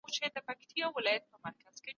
کله چي انسان بل غولولای سي نو دا کار کوي.